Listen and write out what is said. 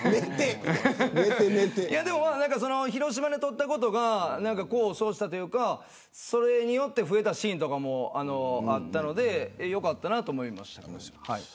でも、広島で撮ったことが功を奏したというかそれによって増えたシーンとかもあったのでよかったなと思いました。